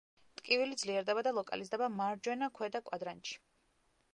ტკივილი ძლიერდება და ლოკალიზდება მარჯვენა ქვედა კვადრანტში.